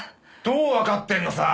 どうわかってんのさ！？